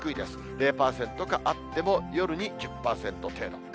０％か、あっても夜に１０％程度。